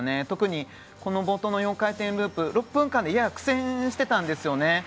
特に冒頭の４回転ループ６分間ではやや苦戦していたんですよね。